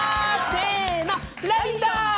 せーの、「ラヴィット！」